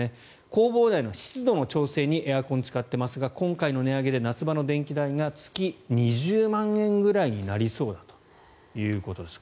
工房内の湿度の調整にエアコンを使っていますが今回の値上げで夏場の電気代が月２０万円くらいになりそうだということです。